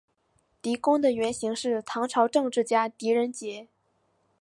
狄公的原型是唐朝政治家狄仁杰。